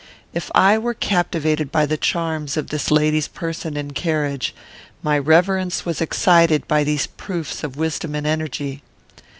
If I were captivated by the charms of this lady's person and carriage, my reverence was excited by these proofs of wisdom and energy.